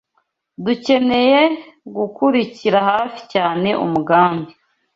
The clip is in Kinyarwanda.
Dukeneye gukurikirira hafi cyane umugambi